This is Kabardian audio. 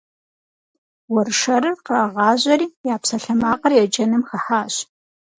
Уэршэрыр кърагъажьэри, я псалъэмакъыр еджэным хыхьащ.